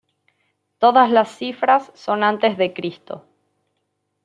Todas las cifras son antes de Cristo.